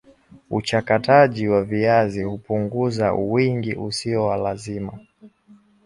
uchakataji wa viazi hupunguza uwingi usio wa lazima